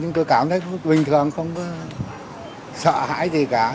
chúng tôi cảm thấy bình thường không có sợ hãi gì cả